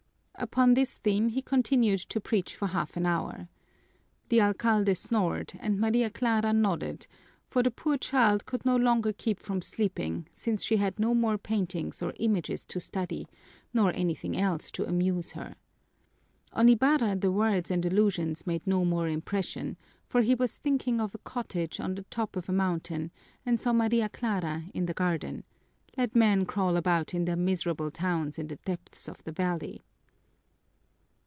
Upon this theme he continued to preach for half an hour. The alcalde snored, and Maria Clara nodded, for the poor child could no longer keep from sleeping, since she had no more paintings or images to study, nor anything else to amuse her. On Ibarra the words and allusions made no more impression, for he was thinking of a cottage on the top of a mountain and saw Maria Clara in the garden; let men crawl about in their miserable towns in the depths of the valley!